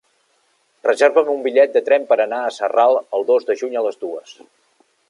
Reserva'm un bitllet de tren per anar a Sarral el dos de juny a les dues.